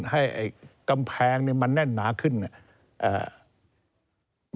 ให้กำแพงแน่นนาขึ้นนี้